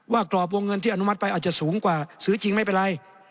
กรอบวงเงินที่อนุมัติไปอาจจะสูงกว่าซื้อจริงไม่เป็นไร